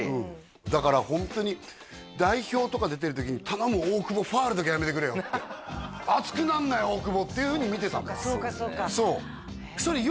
だからホントに代表とか出てる時に「頼む大久保ファウルだけはやめてくれよ」って「熱くなんなよ大久保」っていうふうに見てたのそうですね